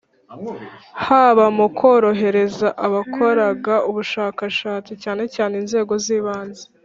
haba mu korohereza abakoraga ubushakashatsi cyane cyane inzego z ibanze